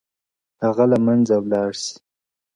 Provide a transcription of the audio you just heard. o هغه له منځه ولاړ سي،